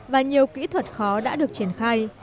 và nhiều kỹ thuật khó đã được triển khai